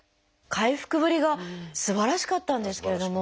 回復ぶりがすばらしかったんですけれども。